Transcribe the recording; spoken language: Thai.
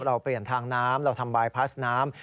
เราเปลี่ยนทางน้ำเราทำบายพลาสน้ำ